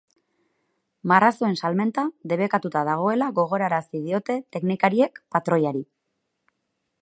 Marrazoen salmenta debekatuta dagoela gogorarazi diote teknikariek patroiari.